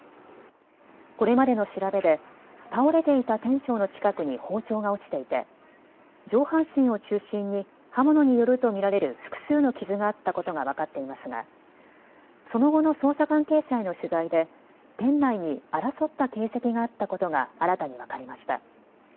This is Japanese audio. これまでの調べで倒れていた店長の近くに包丁が落ちていて上半身を中心に刃物によると見られる複数の傷があったことが分かっていますがその後の捜査関係者への取材で店内に争った形跡があったことが新たに分かりました。